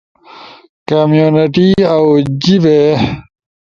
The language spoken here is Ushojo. کمیونٹی اؤ جیبے